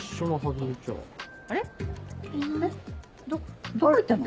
えっどこ行ったの？